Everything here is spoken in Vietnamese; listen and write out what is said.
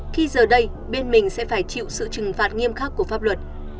khi giờ đây bên mình sẽ phải chịu sự trừng phạt nghiêm khắc của pháp luật